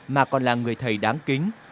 mà còn là người thầy đáng kính